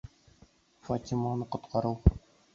Фатиманы ҡотҡарыу